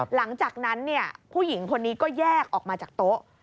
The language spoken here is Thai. หลังจากนั้นผู้หญิงคนนี้ก็แยกออกมาจากโต๊ะ